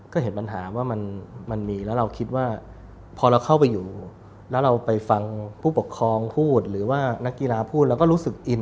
ก็เห็นปัญหาว่ามันมีแล้วเราคิดว่าพอเราเข้าไปอยู่แล้วเราไปฟังผู้ปกครองพูดหรือว่านักกีฬาพูดเราก็รู้สึกอิน